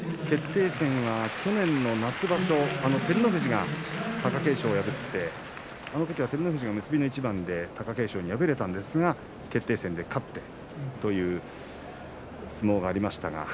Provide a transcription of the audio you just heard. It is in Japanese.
決定戦は去年の夏場所照ノ富士が貴景勝を破ってあのときは照ノ富士が結びの一番で貴景勝に敗れたんですが決定戦で勝ってということがありました。